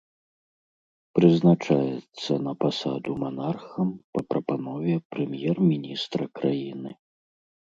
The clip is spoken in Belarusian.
Прызначаецца на пасаду манархам па прапанове прэм'ер-міністра краіны.